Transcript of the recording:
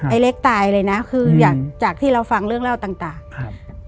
เล็กตายเลยนะคืออยากจากจากที่เราฟังเรื่องเล่าต่างต่างครับ